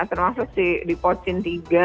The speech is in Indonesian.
termasuk di pocin tiga